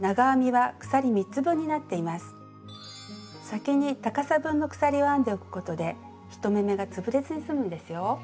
先に高さ分の鎖を編んでおくことで１目めが潰れずに済むんですよ。